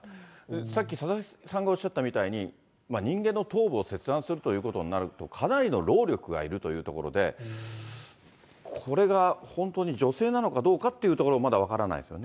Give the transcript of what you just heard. さっき佐々木さんがおっしゃったみたいに、人間の頭部を切断するということになると、かなりの労力がいるというところで、これが本当に女性なのかどうかというところはまだ分からないです